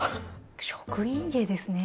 職人芸ですね。